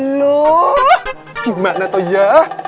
loh gimana toh ya